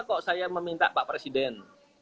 kok saya meminta pak presiden